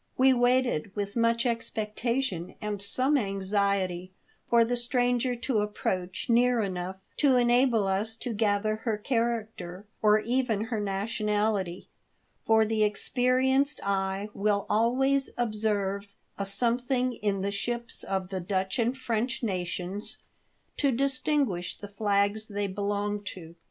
We waited with much expectation and some anxiety for the stranger to approach near enouQ h to enable us to Qrather her character, or even her nationality ; for the experienced eye will always observe a some thing in the ships of the Dutch and French nations to distinguish the flags they belong to.